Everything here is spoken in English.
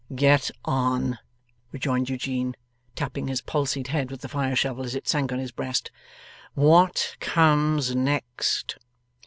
'Get on,' rejoined Eugene, tapping his palsied head with the fire shovel, as it sank on his breast. 'What comes next?